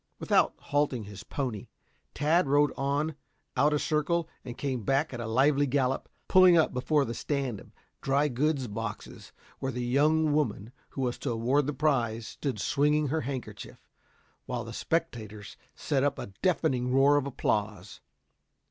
Without halting his pony, Tad rode on, out a circle and came back at a lively gallop, pulling up before the stand of dry goods boxes, where the young woman who was to award the prize stood swinging her handkerchief, while the spectators set up a deafening roar of applause.